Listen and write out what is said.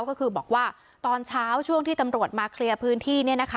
ก็คือบอกว่าตอนเช้าช่วงที่ตำรวจมาเคลียร์พื้นที่